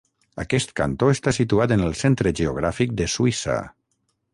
Aquest cantó està situat en el centre geogràfic de Suïssa.